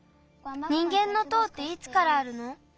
人げんの塔っていつからあるの？